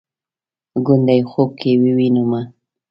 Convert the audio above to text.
ګوندې خوب کې ووینمه